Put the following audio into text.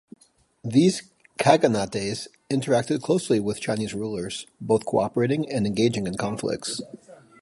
These khaganates interacted closely with Chinese rulers, both cooperating and engaging in conflicts.